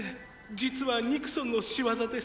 実はニクソンの仕業です。